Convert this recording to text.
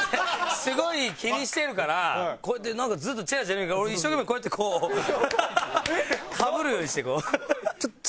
すごい気にしてるからこうやってなんかずっとチラチラ見るから俺一生懸命こうやってかぶるようにして。